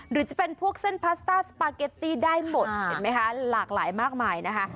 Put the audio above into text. หรือจะเป็นพวกเส้นพาสต้าสปาเกตตี้ได้หมดเห็นไหมคะหลากหลายมากมายนะคะ